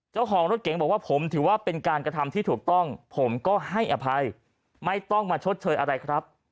เจ้าของรถเก๋งบอกว่าผมถือว่าเป็นการกระทำที่ถูกต้องผมก็ให้อภัยไม่ต้องมาชดเชยอะไรครับ